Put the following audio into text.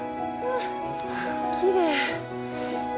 きれい。